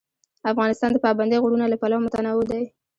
افغانستان د پابندی غرونه له پلوه متنوع دی.